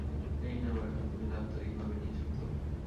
এই নাও এখন তুমি দাপ্তরিকভাবে নিযুক্ত।